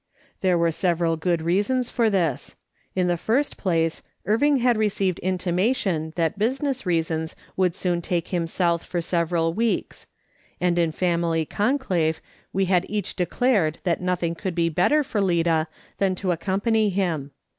There were several good reasons for this : In the first place, Irving had received intimation that business reasons would soon take him South for several weeks ; and in family conclave we had each declared that no thing could be better for Lida than to accompany him.